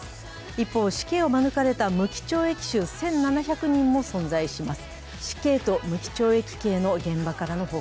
一方、死刑を免れた無期懲役囚１７００人も存在します。